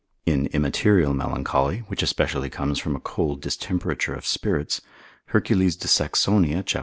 In immaterial melancholy, which especially comes from a cold distemperature of spirits, Hercules de Saxonia, cap.